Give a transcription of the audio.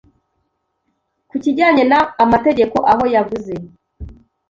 ku kijyanye na, amategeko aho yavuze